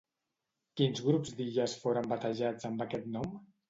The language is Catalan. Quins grups d'illes foren batejats amb aquest nom?